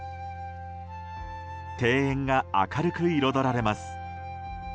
庭園が明るく彩られます。